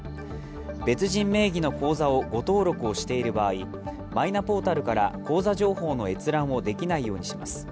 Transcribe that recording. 別人名義の口座を誤登録をしている場合、マイナポータルから口座情報の閲覧をできないようにします。